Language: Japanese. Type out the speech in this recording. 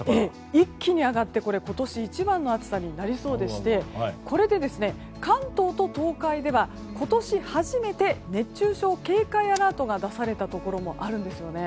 一気に上がって今年一番の暑さになりそうでしてこれで、関東と東海では今年初めて熱中症警戒アラートが出されたところもあるんですよね。